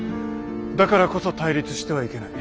だからこそ対立してはいけない。